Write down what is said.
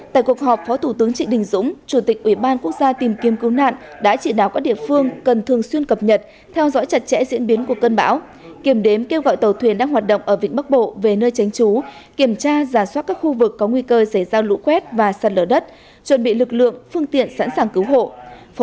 tại cuộc họp phó thủ tướng trịnh đình dũng chủ tịch ủy ban quốc gia tìm kiếm cứu nạn đã chỉ đáo các địa phương cần thường xuyên cập nhật theo dõi chặt chẽ diễn biến của cơn bão kiểm đếm kêu gọi tàu thuyền đang hoạt động ở vĩnh bắc bộ về nơi tránh trú kiểm tra giả soát các khu vực có nguy cơ xảy ra lũ quét và sạt lở đất chuẩn bị lực lượng phương tiện sẵn sàng cứu hộ